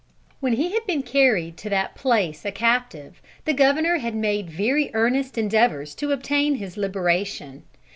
When he had been carried to that place a captive, the Governor had made very earnest endeavors to obtain his liberation.